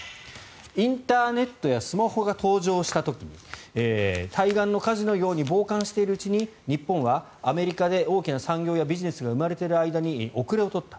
インターネットやスマホが登場した時に対岸の火事のように傍観しているうちに日本はアメリカで大きな産業やビジネスが生まれている間に後れを取った。